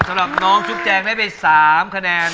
สำหรับน้องจุ๊บแจงได้ไป๓คะแนน